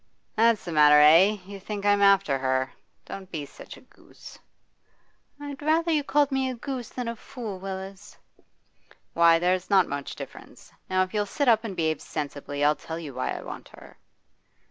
'That's the matter, eh? You think I'm after her! Don't be such a goose.' 'I'd rather you call me a goose than a fool, Willis.' 'Why, there's not much difference. Now if you'll sit up and behave sensibly, I'll tell you why I want her.